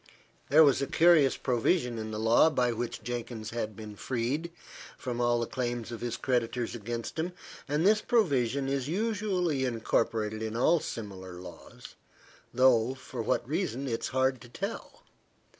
There was a curious provision in the law by which Jenkins had been freed from all the claims of his creditors against him; and this provision is usually incorporated in all similar laws, though for what reason it is hard to tell.